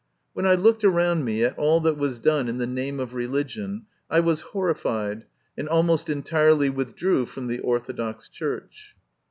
When I looked around me at all that was done in the name of religion, I was horrified, and almost entirely withdrew from the Orthodox Church.